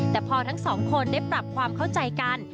แต่พอทั้งสองคนได้ปรับความเข้าใจกัน